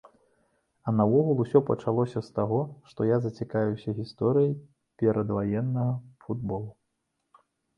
А наогул усё пачалося з таго, што я зацікавіўся гісторыяй перадваеннага футболу.